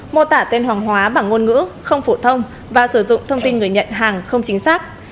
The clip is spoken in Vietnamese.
mô tả tên hoàng hóa bằng ngôn ngữ không phổ thông và sử dụng thông tin người nhận hàng không chính xác